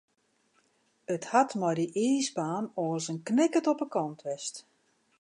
It hat mei dy iisbaan oars in knikkert op de kant west.